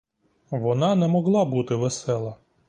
Вона не могла бути весела.